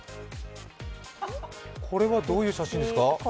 これはどういう写真ですか？